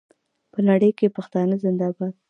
په نړۍ کې پښتانه زنده باد.